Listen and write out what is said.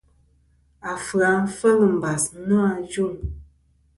Afɨ-a fel mbas nô ajuŋ.